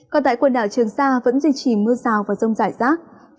còn tại quần đảo trường sa vẫn duy trì mưa rào và rông rải rác